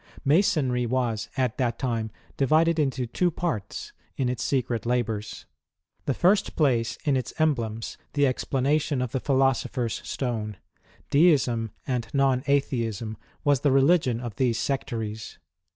Masonry was, at that time, di\aded into two parts, in its secret labours. The first place in its emblems, the explanation of tlie philosopher's stone: Deism and non Atheism was the religion of these sectaries.